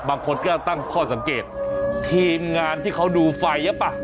บางคนก็ตั้งข้อสังเกตทีมงานที่เขาดูไฟหรือเปล่า